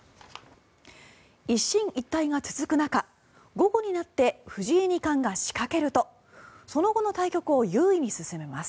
一進一退が続く中、午後になって藤井二冠が仕掛けるとその後の対局を優位に進みます。